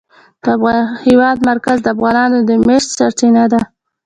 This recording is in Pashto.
د هېواد مرکز د افغانانو د معیشت سرچینه ده.